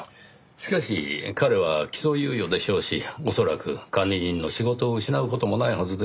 しかし彼は起訴猶予でしょうし恐らく管理人の仕事を失う事もないはずですよ。